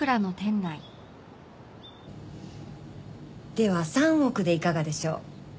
では３億でいかがでしょう？